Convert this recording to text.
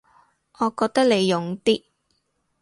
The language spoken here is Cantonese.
我覺得你勇啲